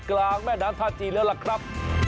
กลางแม่น้ำท่าจีนแล้วล่ะครับ